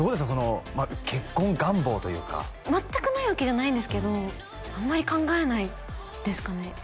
その結婚願望というか全くないわけじゃないんですけどあんまり考えないですかね